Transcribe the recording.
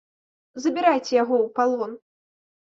Забірайце яго ў палон!